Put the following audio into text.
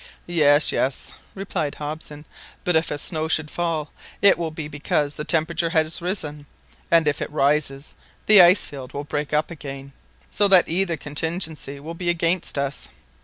"Yes, yes," replied Hobson, "but if snow should fall, it will be because the temperature has risen; and if it rises, the ice field will break up again, so that either contingency will be against us!"